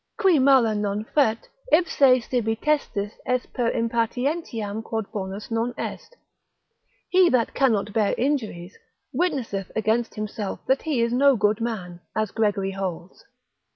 Qui mala non fert, ipse sibi testis est per impatientiam quod bonus non est, he that cannot bear injuries, witnesseth against himself that he is no good man, as Gregory holds.